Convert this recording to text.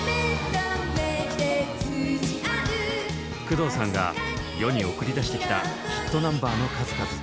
工藤さんが世に送り出してきたヒットナンバーの数々。